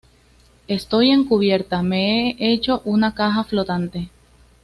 estoy en cubierta. me he hecho una caja flotante.